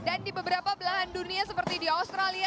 dan di beberapa belahan dunia seperti di australia